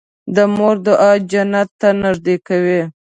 د مور دعا جنت ته نږدې کوي.